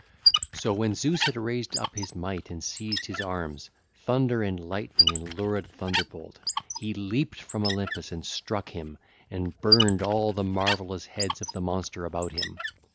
So when Zeus had raised up his might and seized his arms, thunder and lightning and lurid thunderbolt, he leaped from Olympus and struck him, and burned all the marvellous heads of the monster about him.